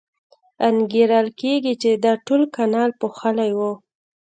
انګېرل کېږي چې دا ټول کانال پوښلی و.